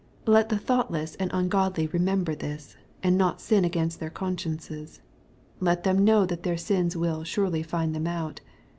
Let the thoughtless and ungodly remember this, and not sin against their consciences. Let them know that their sins will " surely find them out."